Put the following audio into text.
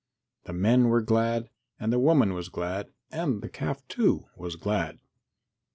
The men were glad, and the woman was glad, and the calf, too, was glad.